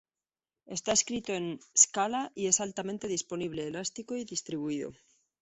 Está escrito en Scala y es altamente disponible, elástico, y distribuido.